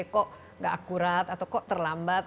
kok gak akurat atau kok terlambat